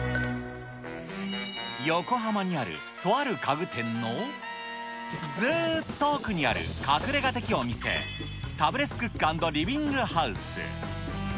横浜にある、とある家具店の、ずーっと奥にある隠れが的お店、タブレス・クック・アンド・リビングハウス。